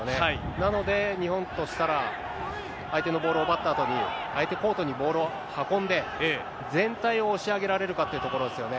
なので、日本としたら相手のボールを奪ったあとに、相手コートにボールを運んで、全体を押し上げられるかというところですよね。